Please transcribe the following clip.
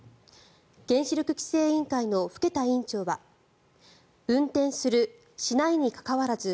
原子力規制委員会の更田委員長は運転するしないに関わらず